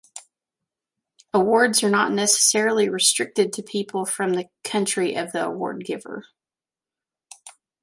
Awards are not necessarily restricted to people from the country of the award giver.